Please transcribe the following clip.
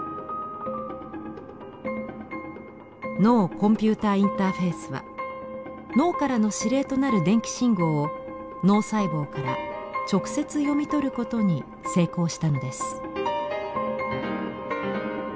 脳コンピューターインターフェイスは脳からの指令となる電気信号を脳細胞から直接読み取ることに成功したのです。